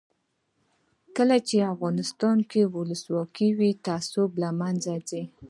کله چې افغانستان کې ولسواکي وي تعصب له منځه ځي.